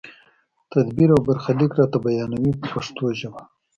تدبیر او برخلیک راته بیانوي په پښتو ژبه.